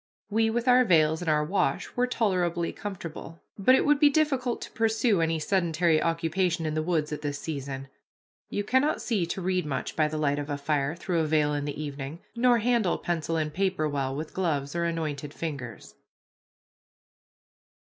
We with our veils and our wash were tolerably comfortable, but it would be difficult to pursue any sedentary occupation in the woods at this season; you cannot see to read much by the light of a fire through a veil in the evening, nor handle pencil and paper well with gloves or anointed fingers.